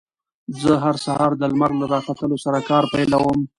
زه هر سهار د لمر له راختو سره کار پيلوم.